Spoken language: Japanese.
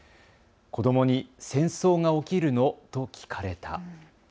子どもに戦争が起きるの？と聞かれた。